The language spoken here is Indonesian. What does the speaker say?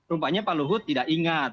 rumpanya pak luhut tidak ingat